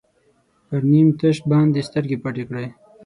پر نیم تش باندې سترګې پټې کړئ.